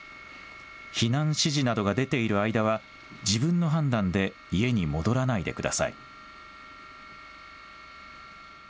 避難指示などが出ている間は自分の判断で家に戻らないでください。